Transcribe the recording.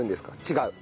違う？